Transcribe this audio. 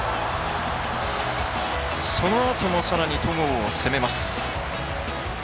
そのあともさらに戸郷を攻めます。